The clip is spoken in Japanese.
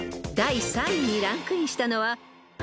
［第３位にランクインしたのは］